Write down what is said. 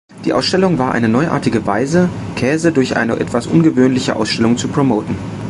Die Ausstellung war eine neuartige Weise, Käse durch eine etwas ungewöhnliche Ausstellung zu promoten.